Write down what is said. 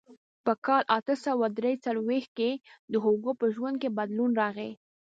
په کال اته سوه درې څلوېښت کې د هوګو په ژوند کې بدلون راغی.